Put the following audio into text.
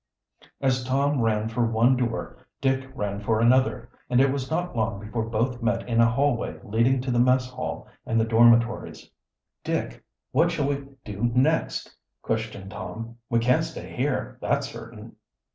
As Tom ran for one door Dick ran for another, and it was not long before both met in a hallway leading to the mess hall and the dormitories. "Dick, what shall we do next?" questioned Tom. "We can't stay here, that's certain."